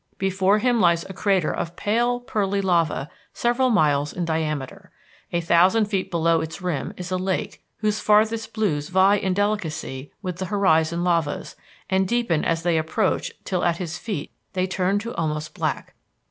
Before him lies a crater of pale pearly lava several miles in diameter. A thousand feet below its rim is a lake whose farthest blues vie in delicacy with the horizon lavas, and deepen as they approach till at his feet they turn to almost black.